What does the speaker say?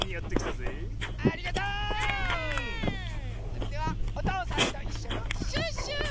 それでは「おとうさんといっしょ」のシュッシュ！